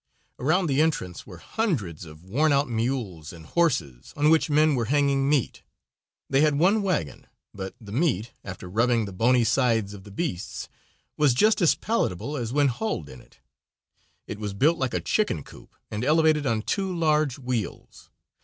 Around the entrance were hundreds of worn out mules and horses, on which men were hanging meat. They had one wagon, but the meat, after rubbing the bony sides of the beasts, was just as palatable as when hauled in it. It was built like a chicken coop, and elevated on two large wheels.